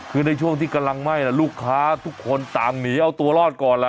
คือในช่วงที่กำลังไหม้ลูกค้าทุกคนต่างหนีเอาตัวรอดก่อนล่ะ